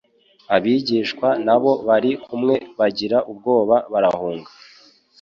Abigishwa n'abo bari kumwe bagira ubwoba barahunga.